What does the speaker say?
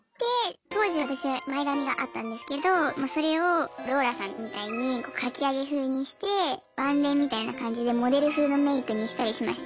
当時私前髪があったんですけどそれをローラさんみたいにかきあげ風にしてワンレンみたいな感じでモデル風のメークにしたりしました。